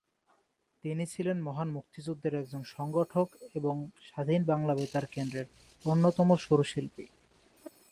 তিনি ছিলেন মহান মুক্তিযুদ্ধের একজন সংগঠক এবং স্বাধীন বাংলা বেতার কেন্দ্রের অন্যতম সুর শিল্পী।